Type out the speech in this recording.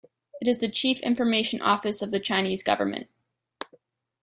It is the chief information office of the Chinese government.